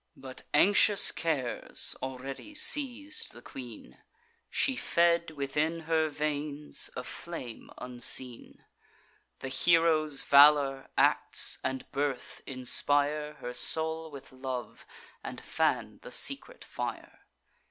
But anxious cares already seiz'd the queen: She fed within her veins a flame unseen; The hero's valour, acts, and birth inspire Her soul with love, and fan the secret fire.